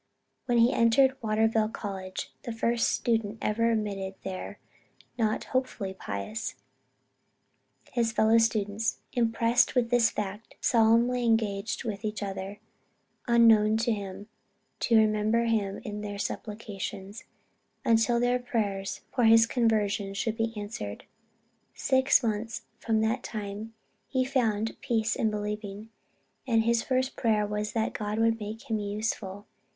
When he entered Waterville College the first student ever admitted there not hopefully pious his fellow students, impressed with this fact, solemnly engaged with each other, unknown to him, to remember him in their supplications, until their prayers for his conversion should be answered. Six months from that time he found peace in believing, and his first prayer was that God would make him useful.